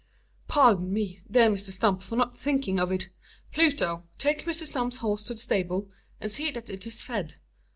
"Pardon me, dear Mr Stump, for not thinking of it. Pluto; take Mr Stump's horse to the stable, and see that it is fed.